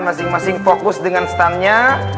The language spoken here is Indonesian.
masing masing fokus dengan standnya